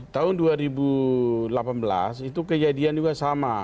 tahun dua ribu delapan belas itu kejadian juga sama